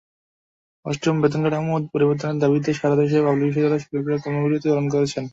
অষ্টম বেতনকাঠামো পরিবর্তনের দাবিতে সারা দেশের পাবলিক বিশ্ববিদ্যালয়ের শিক্ষকেরা কর্মবিরতি পালন করছেন।